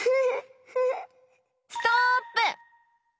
ストップ！